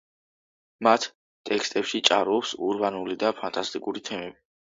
მათ ტექსტებში ჭარბობს ურბანული და ფანტასტიკური თემები.